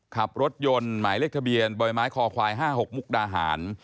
ขับรถยนต์หมายเลขทะเบียนบ่อยไม้คอควาย๕๖มุกดาหาร